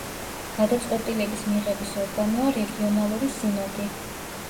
გადაწყვეტილების მიღების ორგანოა რეგიონალური სინოდი.